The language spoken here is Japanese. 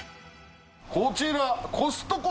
こちら。